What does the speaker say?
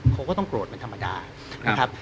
เขาก็ต้องโกรธเป็นธรรมดานะครับ